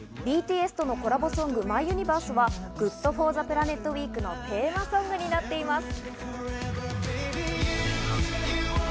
ＢＴＳとのコラボソング、ＭｙＵｎｉｖｅｒｓｅは、ＧｏｏｄＦｏｒｔｈｅＰｌａｎｅｔウィークのテーマソングになっています。